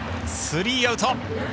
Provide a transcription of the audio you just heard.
スリーアウト。